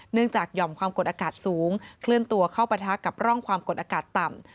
จากหย่อมความกดอากาศสูงเคลื่อนตัวเข้าปะทะกับร่องความกดอากาศต่ำ